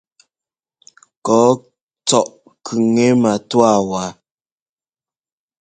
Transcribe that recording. Kɔ́ɔ tsɔ́ʼ kʉŋɛ matúwa waa.